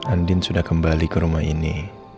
andin sudah kembali ke rumah ini